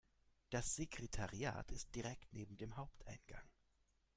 Das Sekretariat ist direkt neben dem Haupteingang.